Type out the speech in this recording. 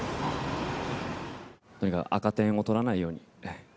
とにかく赤点を取らないように。